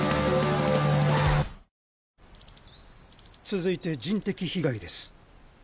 続いて人的被害です。